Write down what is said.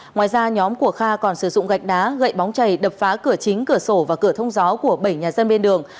ngoài ra nhóm của kha còn sử dụng gạch đá gậy bóng chảy đập phá cửa chính cửa sổ và cửa thông gió của bảy nhà dân bên đường